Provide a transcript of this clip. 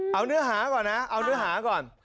เอาเนื้อหาก่อนนะเอาเนื้อหาก่อน